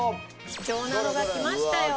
貴重なのが来ましたよ。